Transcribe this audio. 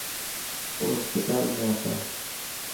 او هسپتال ۾ هتا.